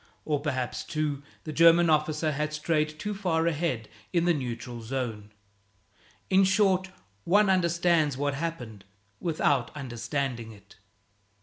Or perhaps, too, the German officer had strayed too far ahead in the neutral zone. In short, one understands what happened without understanding it.